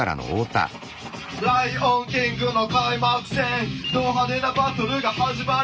「ライオンキング」の開幕戦ど派手なバトルが始まるぜプチョヘンザ！